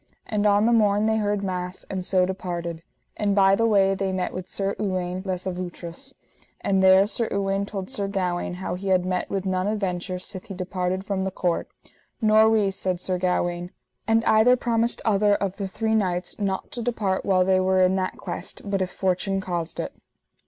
And on the morn they heard mass, and so departed. And by the way they met with Sir Uwaine les Avoutres, and there Sir Uwaine told Sir Gawaine how he had met with none adventure sith he departed from the court. Nor we, said Sir Gawaine. And either promised other of the three knights not to depart while they were in that quest, but if fortune caused it.